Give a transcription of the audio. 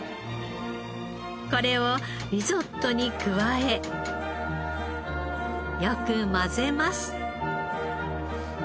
これをリゾットに加えよく混ぜます。